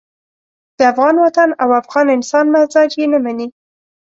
د افغان وطن او افغان انسان مزاج یې نه مني.